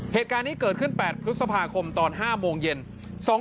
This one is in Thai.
เหตุการณ์นี้เกิดขึ้น๘พฤษภาคมตอน๕โมงเย็น